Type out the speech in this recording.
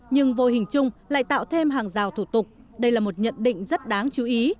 nhưng vô hình chung lại tạo thêm hàng rào thủ tục đây là một nhận định rất đáng chú ý